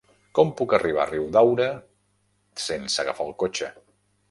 Com puc arribar a Riudaura sense agafar el cotxe?